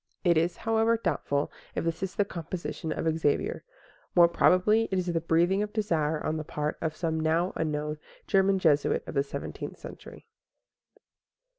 It is, however, doubtful if this is the composition of Xavier; more probably it is the breathing of desire on the part of some now unknown German Jesuit of the seventeenth century.